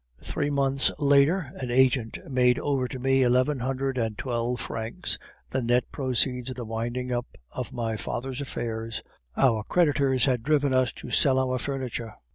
"Three months later, an agent made over to me eleven hundred and twelve francs, the net proceeds of the winding up of my father's affairs. Our creditors had driven us to sell our furniture.